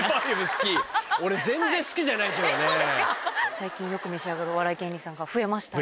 最近よく召し上がるお笑い芸人さんが増えましたが。